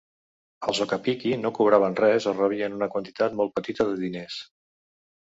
Els Okappiki no cobraven res o rebien una quantitat molt petita de diners.